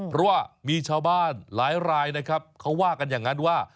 เพราะว่ามีชาวบ้านหลายรายนะครับเขาว่ากันอย่างนั้นว่า